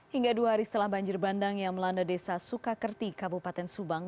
hingga dua hari setelah banjir bandang yang melanda desa sukakerti kabupaten subang